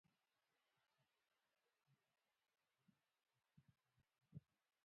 ازادي راډیو د د کار بازار په اړه تاریخي تمثیلونه وړاندې کړي.